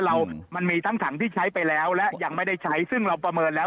เรามันมีทั้งถังที่ใช้ไปแล้วและยังไม่ได้ใช้ซึ่งเราประเมินแล้ว